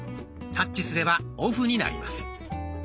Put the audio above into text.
タッチすればオフになります。